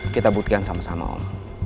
kita buktikan sama sama om